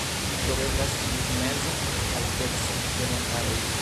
Ĝi troveblas ĝis meza alteco de montaroj.